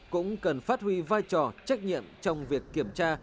cũng cần phát huy vai trò trách nhiệm trong việc kiểm tra